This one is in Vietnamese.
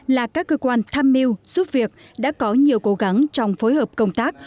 là các cơ quan tham mưu giúp việc đã có nhiều cố gắng trong phối hợp công tác